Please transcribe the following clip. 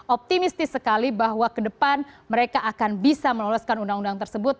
optimistis sekali bahwa ke depan mereka akan bisa meloloskan undang undang tersebut